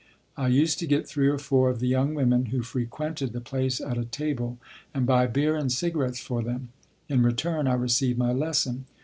I used to get three or four of the young women who frequented the place at a table and buy beer and cigarettes for them. In return I received my lesson.